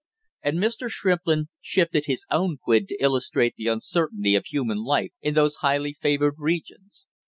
And Mr. Shrimplin shifted his own quid to illustrate the uncertainty of human life in those highly favored regions.